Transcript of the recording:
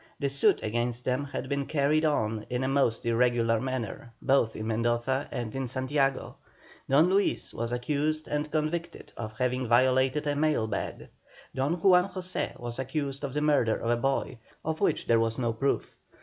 The suit against them had been carried on in a most irregular manner, both in Mendoza and in Santiago. Don Luis was accused and convicted of having violated a mail bag; Don Juan José was accused of the murder of a boy, of which there was no proof.